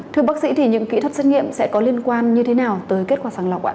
thưa bác sĩ thì những kỹ thuật xét nghiệm sẽ có liên quan như thế nào tới kết quả sàng lọc ạ